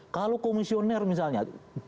kalau komisioner misalnya